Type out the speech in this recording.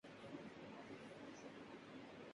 کیا بول ہیں۔